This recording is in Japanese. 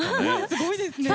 すごいですね。